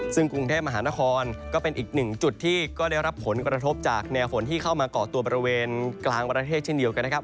ซึ่งกรุงเทพมหานครก็เป็นอีกหนึ่งจุดที่ก็ได้รับผลกระทบจากแนวฝนที่เข้ามาก่อตัวบริเวณกลางประเทศเช่นเดียวกันนะครับ